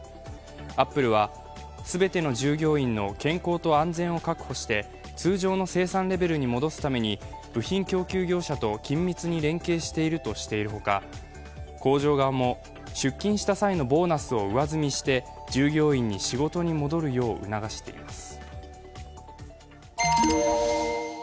アップルは全ての従業員の健康と安全を確保して通常の生産レベルに戻すために部品供給業者と緊密に連携しているとしているほか、工場側も出勤した際のボーナスを上積みして従業員に仕事に戻るよう促しています。